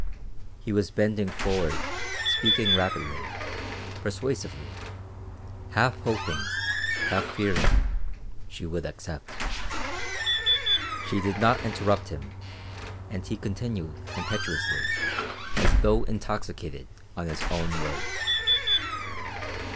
He was bending forward speaking rapidly, persuasively, half hoping, half fearing, she would accept. She did not interrupt him, and he continued impetuously, as though intoxicated on his own words.